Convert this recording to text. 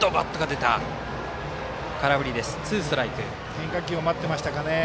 変化球を待っていましたかね。